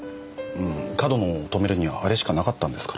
上遠野を止めるにはあれしかなかったんですから。